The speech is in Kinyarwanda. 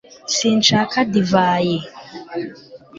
sinshaka divayi